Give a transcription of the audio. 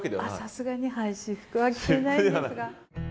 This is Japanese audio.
さすがに私服は着ていないんですが。